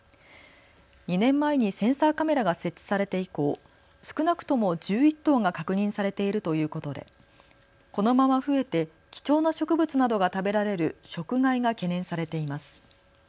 ２年前にセンサーカメラが設置されて以降、少なくとも１１頭が確認されているということでこのまま増えて貴重な植物などが食べられる食害が懸念されています。